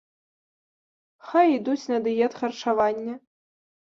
Хай ідуць на дыетхарчаванне.